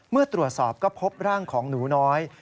เมื่อตรวจสอบก็พบร่างของหนูน้อย